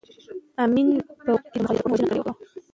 امین په واک کې د مخالفانو وژنه کړې وه.